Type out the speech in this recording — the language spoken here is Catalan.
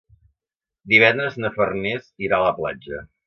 Divendres na Farners irà a la platja.